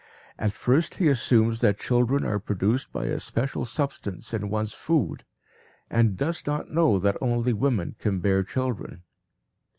At first he assumes that children are produced by a special substance in one's food and does not know that only women can bear children.